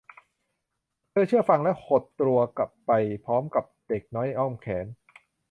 เธอเชื่อฟังและหดตตัวกลับไปพร้อมกับเด็กน้อยในอ้อมแขน